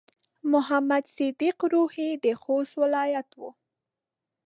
محمد صديق روهي د خوست ولايت و.